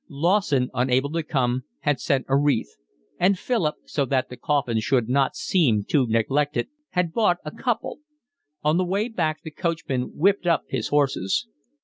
Lawson, unable to come, had sent a wreath; and Philip, so that the coffin should not seem too neglected, had bought a couple. On the way back the coachman whipped up his horses.